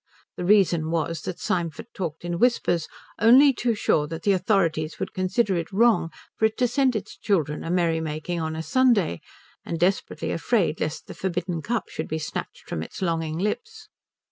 The reason was that Symford talked in whispers, only too sure that the authorities would consider it wrong for it to send its children a merrymaking on a Sunday, and desperately afraid lest the forbidden cup should be snatched from its longing lips.